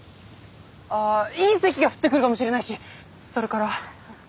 あ隕石が降ってくるかもしれないしそれからそれから。